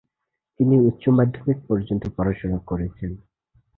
তিনি উচ্চ মাধ্যমিক পর্যন্ত পড়াশুনা করেছেন।